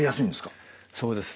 そうです。